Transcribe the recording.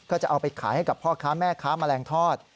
ก็จะเอาไปขายให้กับพ่อค้าแม่ค้าแมลงทอด